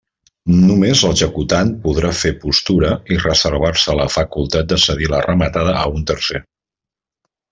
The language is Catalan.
Només l'executant podrà fer postura i reservar-se la facultat de cedir la rematada a un tercer.